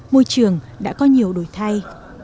môi trường đã có nhiều đổi thay